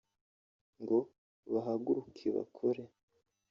ngo bahaguruke bakore